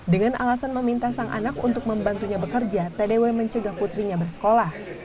dengan alasan meminta sang anak untuk membantunya bekerja tdw mencegah putrinya bersekolah